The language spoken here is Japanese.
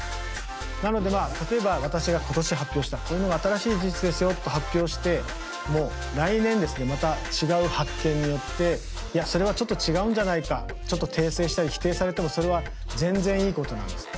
なのでまあ例えば私が今年発表したこういうのが新しい事実ですよと発表しても来年ですねまた違う発見によっていやそれはちょっと違うんじゃないかちょっと訂正したり否定されてもそれは全然いいことなんです。